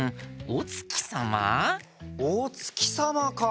おつきさまか。